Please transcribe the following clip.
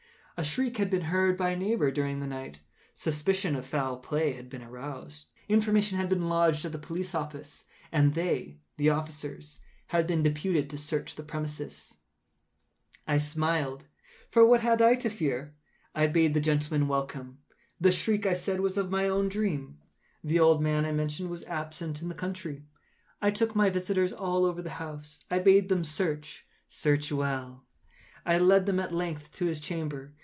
A shriek had been heard by a neighbour during the night; suspicion of foul play had been aroused; information had been lodged at the police office, and they (the officers) had been deputed to search the premises. I smiled,—for what had I to fear? I bade the gentlemen welcome. The shriek, I said, was my own in a dream. The old man, I mentioned, was absent in the country. I took my visitors all over the house. I bade them search—search well. I led them, at length, to his chamber.